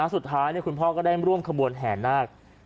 สุดท้ายคุณพ่อก็ได้ร่วมขบวนแห่นาค